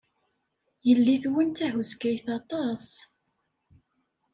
Yelli-twen d tahuskayt aṭas.